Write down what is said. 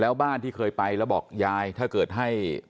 แล้วบ้านที่เคยไปแล้วบอกยายถ้าเกิดให้